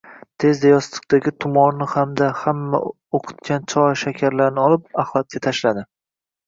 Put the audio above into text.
Tezda yostiqdagi tumorni hamda hamma o`qitgan choy, shakarlarni olib, axlatga tashladi